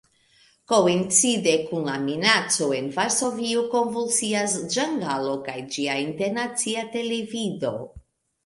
Koincide kun la minaco en Varsovio konvulsias Ĝangalo kaj ĝia Internacia Televido.